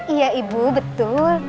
iya ibu betul